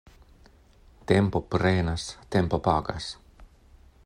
Tempo prenas, tempo pagas.